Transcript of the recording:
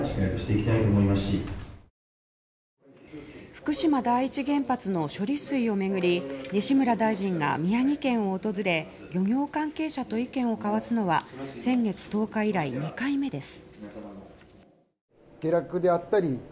福島第一原発の処理水を巡り西村大臣が宮城県を訪れ漁業関係者と意見を交わすのは先月１０日以来、２回目です。